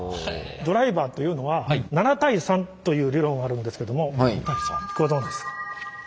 ドライバーというのは７：３という理論あるんですけどもご存じですか？